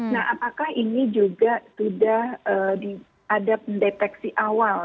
nah apakah ini juga sudah ada pendeteksi awal